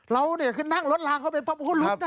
เรานี่คือนั่งรถลางเข้าไปปั๊บโอ้โฮรุ้นนะ